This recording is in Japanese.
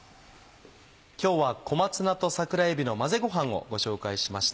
今日は「小松菜と桜えびの混ぜごはん」をご紹介しました。